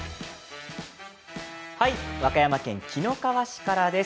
和歌山県紀の川市からです。